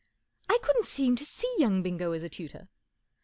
I couldn't seem to see young Bingo as a tutor.